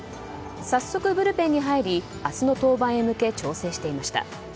早速ブルペンに入り明日の登板に向け調整していました。